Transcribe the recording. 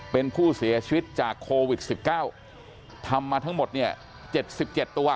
เป็นผู้เสียชีวิตจากโควิดสิบเก้าทำมาทั้งหมดเนี้ยเจ็ดสิบเจ็ดตัว